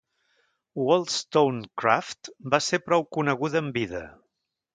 Wollstonecraft va ser prou coneguda en vida.